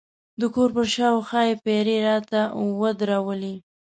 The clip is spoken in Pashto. د کور پر شاوخوا یې پیرې راته ودرولې.